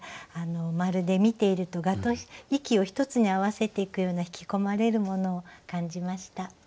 まるで見ていると蛾と息を一つに合わせていくような引き込まれるものを感じました。